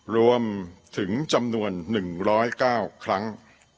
รวมถึงจำนวน๑๐๙ครั้ง